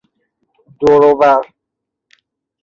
دور و ور